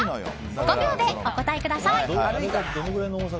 ５秒でお答えください。